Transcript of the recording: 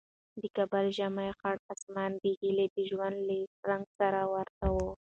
د کابل ژمنی خړ اسمان د هیلې د ژوند له رنګ سره ورته و.